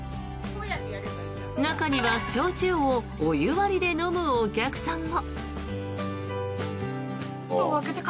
中には焼酎をお湯割りで飲むお客さんも。